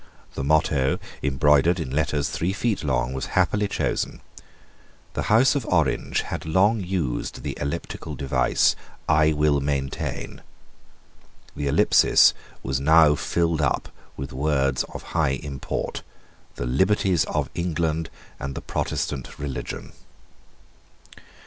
The motto, embroidered in letters three feet long, was happily chosen. The House of Orange had long used the elliptical device, "I will maintain." The ellipsis was now filled up with words of high import, "The liberties of England and the Protestant religion."